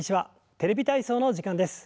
「テレビ体操」の時間です。